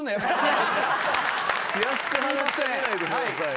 気安く話し掛けないでください。